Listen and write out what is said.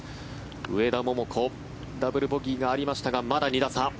上田桃子ダブルボギーがありましたがまだ２打差。